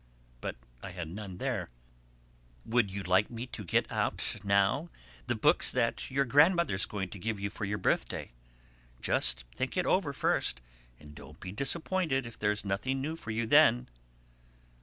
But I had none there. "Would you like me to get out the books now that your grandmother is going to give you for your birthday? Just think it over first, and don't be disappointed if there is nothing new for you then."